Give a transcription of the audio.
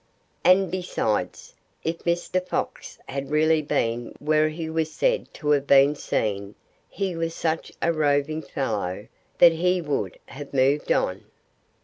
And besides, if Mr. Fox had really been where he was said to have been seen, he was such a roving fellow that he would have moved on.